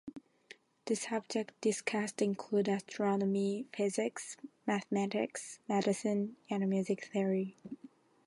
The subjects discussed include astronomy, physics, mathematics, medicine, and music theory.